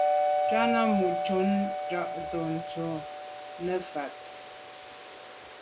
Tshana mo’ nshun Njantùn to’ netshabt’é.